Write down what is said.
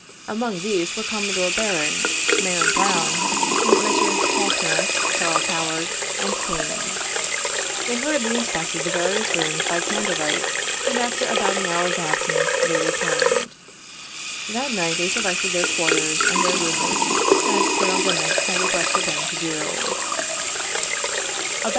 Among these were Commodore Barron, Mayor Brown, and Messrs. Faulkner, Charles Howard and Kane. They hurriedly inspected the various rooms by candle light, and after about an hour's absence they return ed. That night they selected their quarters and their room mates, as Colonel Dimick had requested them to do.